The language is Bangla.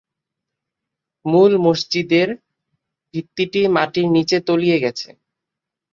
মূল মসজিদের ভিত্তিটি মাটির নিচে তলিয়ে গেছে।